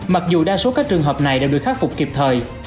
mặc dù đa số các trường hợp này đều được khắc phục kịp thời